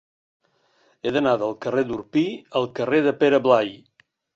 He d'anar del carrer d'Orpí al carrer de Pere Blai.